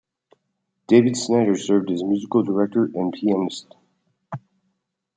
David Snyder served as musical director and pianist.